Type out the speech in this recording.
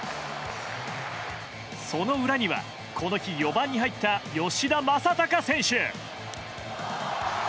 その裏にはこの日４番に入った吉田正尚選手。